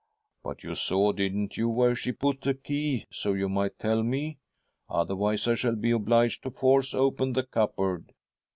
' But you saw, didn't you, where she put the key, so you might tell .me ? Otherwise I shall be obliged to force open the cupboard.'